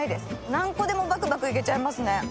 何個でもばくばくいけちゃいますね。